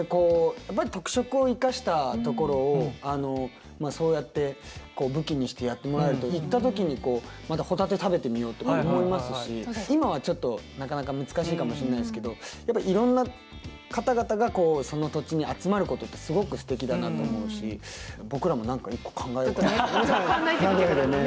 やっぱり特色を生かしたところをまあそうやって武器にしてやってもらえると行った時にまたホタテ食べてみようって思いますし今はちょっとなかなか難しいかもしんないですけどやっぱいろんな方々がこうその土地に集まることってすごくすてきだなと思うし僕らも何か一個考えようかなと思って名古屋でね。